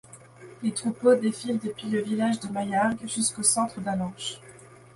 Les troupeaux défilent depuis le village de Maillargues jusqu'au centre d'Allanche.